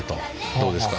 どうですか？